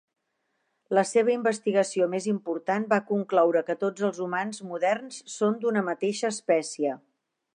La seva investigació més important va concloure que tots els humans moderns són d'una mateixa espècie.